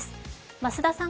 増田さん